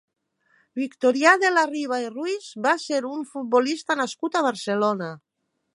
Victorià de la Riva i Ruiz va ser un futbolista nascut a Barcelona.